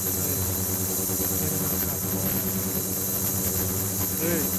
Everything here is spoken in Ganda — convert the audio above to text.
Emma abawala abato abalonda wa?